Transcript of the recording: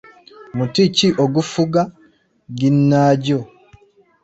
Muti ki ogufuga ginnaagyo?